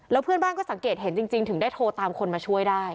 แล้วเพื่อนบ้านก็สังเกตเห็นจริงถึงได้โทรตามคนมาช่วยได้